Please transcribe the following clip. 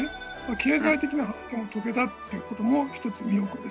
経済的な発展を遂げたという事も一つ魅力です。